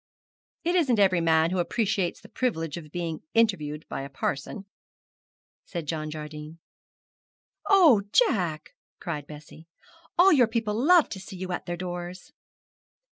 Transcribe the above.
'It isn't every man who appreciates the privilege of being interviewed by a parson,' said John Jardine. 'Oh, Jack,' cried Bessie! 'all your people love to see you at their doors.'